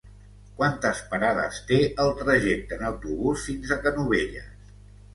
Quantes parades té el trajecte en autobús fins a Canovelles?